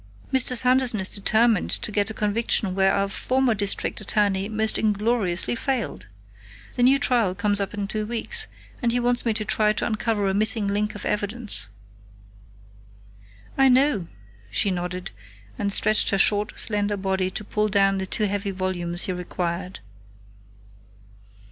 Mr. Sanderson is determined to get a conviction where our former district attorney most ingloriously failed. The new trial comes up in two weeks, and he wants me to try to uncover a missing link of evidence." "I know," she nodded, and stretched her short, slender body to pull down the two heavy volumes he required.